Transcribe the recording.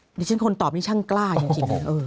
เดี๋ยวฉันคนตอบนี่ช่างกล้ายังจริง